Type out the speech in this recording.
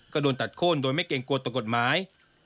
ก็โดนตัดโค้นโดยไม่เก่งโกรธตะกดไม้